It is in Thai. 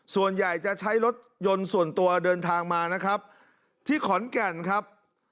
ส่วนใหญ่จะใช้รถยนต์ส่วนตัวเดินทางมานะครับที่ขอนแก่นครับ